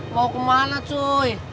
mau kemana cuy